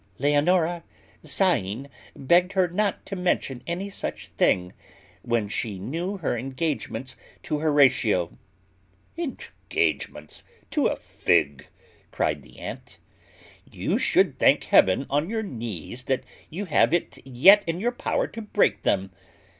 Leonora, sighing, begged her not to mention any such thing, when she knew her engagements to Horatio. "Engagements to a fig!" cried the aunt; "you should thank Heaven on your knees that you have it yet in your power to break them.